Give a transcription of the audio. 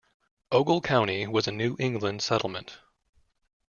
Ogle County was a New England settlement.